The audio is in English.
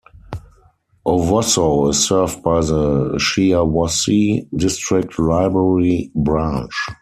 Owosso is served by the Shiawassee District Library branch.